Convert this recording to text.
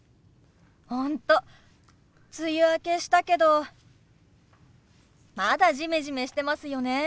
本当梅雨明けしたけどまだジメジメしてますよね。